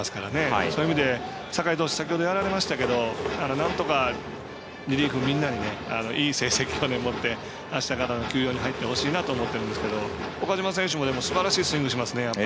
そういう意味で、酒居投手先ほどやられましたけどなんとかリリーフみんなにいい成績で持ってあしたからの休養に入ってほしいなと思ってるんですけど岡島選手もすばらしいスイングしますね。